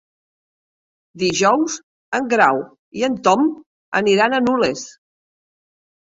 Dijous en Grau i en Tom aniran a Nules.